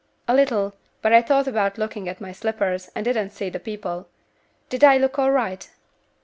"A little; but I thought about looking at my slippers, and didn't see the people. Did I look all right?"